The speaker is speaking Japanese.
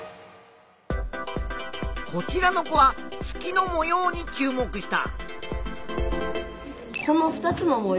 こちらの子は月の模様に注目した。